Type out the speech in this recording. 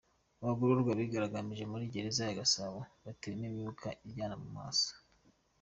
Abagororwa bigaragambije muri Gereza ya Gasabo batewemo imyuka iryana mu maso.